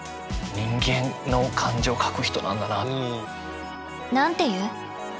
人間の感情を書く人なんだなあっていう。